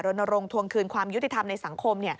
รณรงค์ทวงคืนความยุติธรรมในสังคม